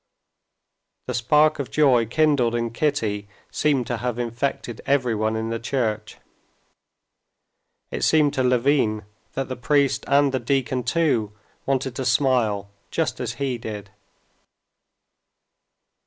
The spark of joy kindled in Kitty seemed to have infected everyone in the church. It seemed to Levin that the priest and the deacon too wanted to smile just as he did.